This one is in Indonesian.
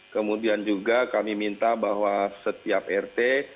kemudian juga kami minta bahwa setiap rw yang kita butuhkan